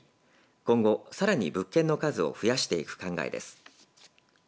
今後さらに物件の数を増やしていく考えです。